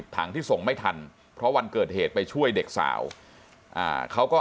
ถังที่ส่งไม่ทันเพราะวันเกิดเหตุไปช่วยเด็กสาวเขาก็